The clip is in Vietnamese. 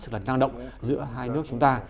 sự lần căng động giữa hai nước chúng ta